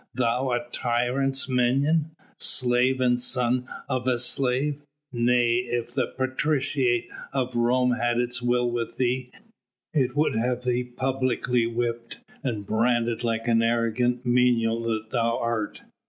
thou a tyrant's minion! slave and son of slave! Nay! if the patriciate of Rome had its will with thee, it would have thee publicly whipped and branded like the arrogant menial that thou art!'